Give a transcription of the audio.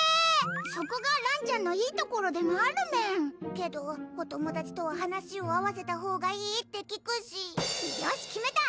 そこがらんちゃんのいいところでもあるメンけどお友達とは話を合わせたほうがいいって聞くしよし決めた！